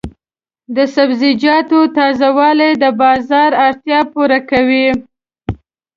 د سبزیجاتو تازه والي د بازار اړتیا پوره کوي.